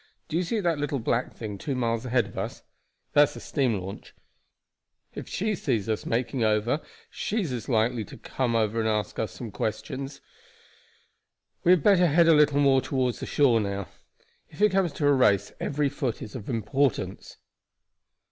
"Do you see that little black thing two miles ahead of us? that's a steam launch. If she sees us making over she's likely enough to come and ask us some questions. We had better head a little more toward the shore now. If it comes to a race every foot is of importance."